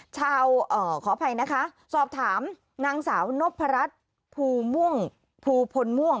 ชาวขออภัยนะคะสอบถามนางสาวนพรัฐภูพลม่วง